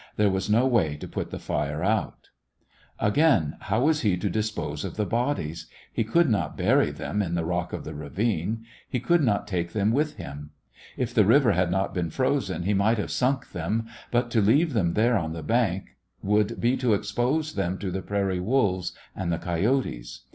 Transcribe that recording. There was no way to put the fire out. Again, how was he to dispose of the bodies? He could not bury them in A ChristmM When the rock of the ravine. He could not take them with him. If the river had not been frozen he might have sunk them; but to leave them there on the bank would be to expose them to the prairie wolves and the coyotes.